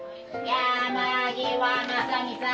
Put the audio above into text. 山際正己さん